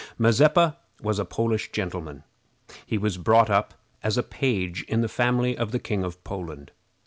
Mazeppa was a Polish gentleman. He was brought up as a page in the family of the King of Poland.